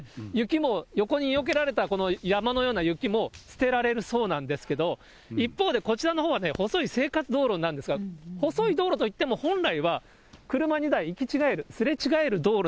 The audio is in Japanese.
雪も、横によけられたこの山のような雪も捨てられるそうなんですけど、一方で、こちらのほうは細い生活道路なんですが、細い道路といっても、本来は車２台行き違える、２車線？